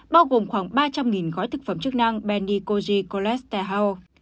bao gồm khoảng ba trăm linh gói thực phẩm chức năng benikoji cholesterol